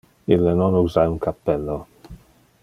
Ille non usa un cappello.